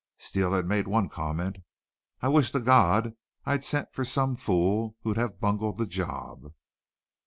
Steele had made one comment: "I wish to God I'd sent for some fool who'd have bungled the job!"